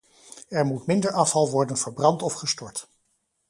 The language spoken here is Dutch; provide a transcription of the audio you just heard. Er moet minder afval worden verbrand of gestort.